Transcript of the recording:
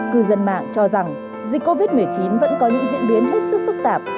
cư dân mạng cho rằng dịch covid một mươi chín vẫn có những diễn biến hết sức phức tạp